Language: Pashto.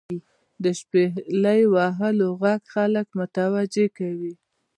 • د شپیلو وهلو ږغ خلک متوجه کوي.